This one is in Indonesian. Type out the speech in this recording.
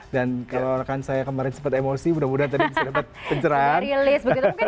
dan kalau rekan saya kemarin sempat emosi mudah mudahan tadi bisa dapat pencerahan